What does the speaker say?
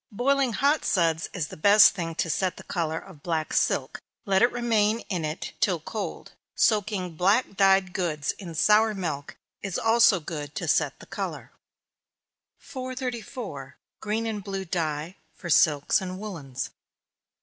Boiling hot suds is the best thing to set the color of black silk let it remain in it till cold. Soaking black dyed goods in sour milk, is also good to set the color. 434. _Green and Blue Dye, for Silks and Woollens.